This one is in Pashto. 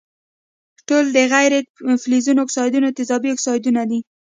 ټول د غیر فلزونو اکسایدونه تیزابي اکسایدونه دي.